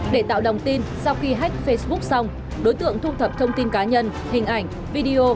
để tạo đồng tin sau khi hách facebook xong đối tượng thu thập thông tin cá nhân hình ảnh video